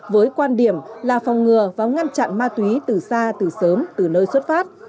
với quan điểm là phòng ngừa và ngăn chặn ma túy từ xa từ sớm từ nơi xuất phát